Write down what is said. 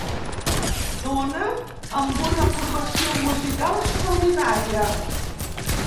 Dona amb una formació musical extraordinària.